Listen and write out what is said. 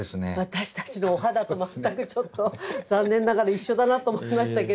私たちのお肌と全くちょっと残念ながら一緒だなと思いましたけれども。